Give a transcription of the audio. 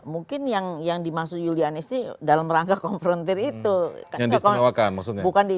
mungkin yang dimaksud yulianis itu dalam rangka konfrontir itu